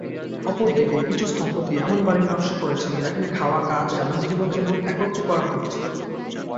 অপরদিকে, কিছু স্থপতি এমন বাড়ির নকশা করেছেন যেখানে খাওয়া, কাজ এবং জীবনযাপন একত্রে করা হচ্ছে।